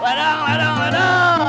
ledang ledang ledang